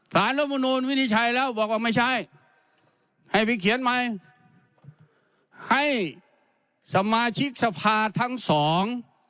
รัฐมนูลวินิจฉัยแล้วบอกว่าไม่ใช่ให้ไปเขียนใหม่ให้สมาชิกสภาทั้งสอง